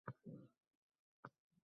Oʻz yonidan boʻshatadi joy.